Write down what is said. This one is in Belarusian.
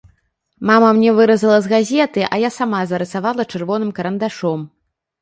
Мама мне выразала з газеты, а я сама зарысавала чырвоным карандашом.